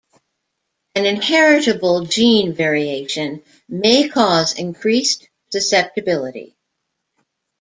An inheritable gene variation may cause increased susceptibility.